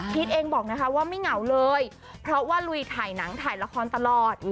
เองบอกนะคะว่าไม่เหงาเลยเพราะว่าลุยถ่ายหนังถ่ายละครตลอด